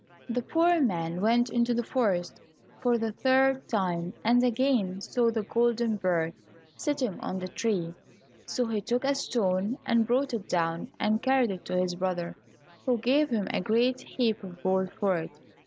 The poor man went into the forest for the third time, and again saw the golden bird sitting on the tree, so he took a stone and brought it down and carried it to his brother, who gave him a great heap of gold for it.